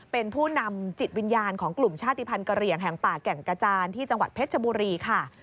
เป็นผู้นำจิตวิญญาณของกลุ่มชาติภัณฑ์กระเหลี่ยงแห่งป่าแก่งกระจานที่จังหวัดเพชรชบุรีค่ะ